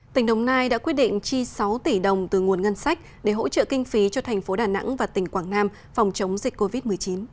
tỉnh đồng nai đã quyết định chi sáu tỷ đồng từ nguồn ngân sách để hỗ trợ kinh phí cho thành phố đà nẵng và tỉnh quảng nam phòng chống dịch covid một mươi chín